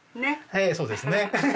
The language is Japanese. ええそうですね。